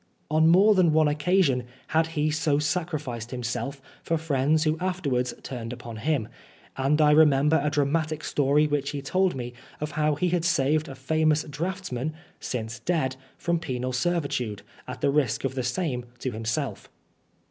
On more than one occasion had he so sacrificed himself for friends who afterwards, turned upon him ; and I remember a dramatic story which he told me of how he had saved a famous draughtsman (since dead) from penal servitude, at the risk of the same to himself.